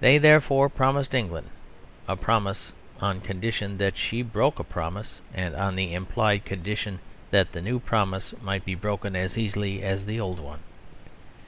They therefore promised England a promise, on condition that she broke a promise, and on the implied condition that the new promise might be broken as easily as the old one.